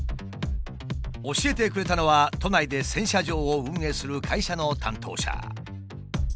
教えてくれたのは都内で洗車場を運営する会社の担当者。